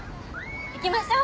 行きましょう。